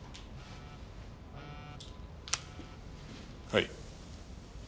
はい。